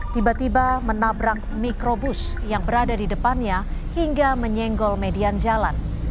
tiba tiba menabrak mikrobus yang berada di depannya hingga menyenggol median jalan